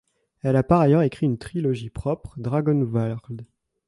Elle a par ailleurs écrit une trilogie propre, Dragonvarld.